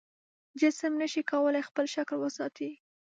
جسم نشي کولی خپل شکل وساتي.